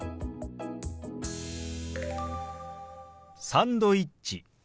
「サンドイッチ」。